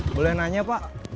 boleh nanya pak sofyan